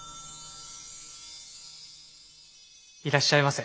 いらっしゃいませ。